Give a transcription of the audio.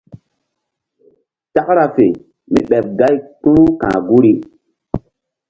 Takra fe mí ɓeɓ gay kpu̧ru ka̧h guri.